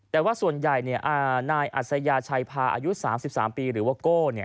แต่ว่าส่วนใหญ่นายอัศยาชัยพาอายุ๓๓ปีหรือว่าโก้